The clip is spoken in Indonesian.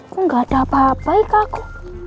kok gak ada apa apa ika aku